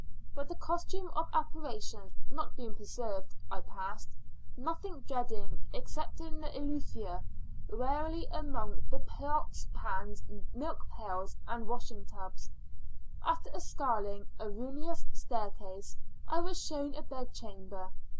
But the costume of apparitions not being preserved I passed, nothing dreading, excepting the effluvia, warily amongst the pots, pans, milk pails, and washing tubs. After scaling a ruinous staircase I was shown a bed chamber.